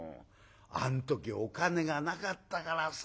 あん時お金がなかったからさ。